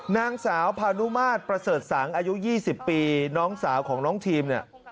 นางสาวพานุมาตรประเสริฐสังอายุ๒๐ปีน้องสาวของน้องทีมเนี่ย